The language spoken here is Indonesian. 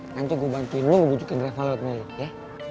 nanti gue bantuin lo ngebujukan reva lo ke meli ya